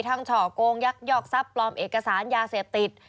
ช่อโกงยักยอกทรัพย์ปลอมเอกสารยาเสพติด